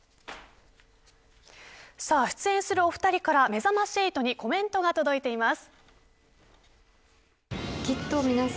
出演するお２人からめざまし８にコメントが届いています。